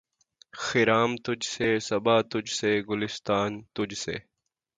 خرام تجھ سے‘ صبا تجھ سے‘ گلستاں تجھ سے